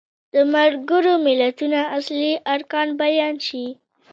د ملګرو ملتونو اصلي ارکان بیان شي.